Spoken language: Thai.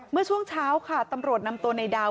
เมื่อช่วงเช้าค่ะตำรวจนำตัวในดาว